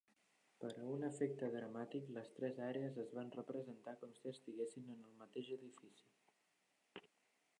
Per a un efecte dramàtic, les tres àrees es van representar com si estiguessin en el mateix edifici.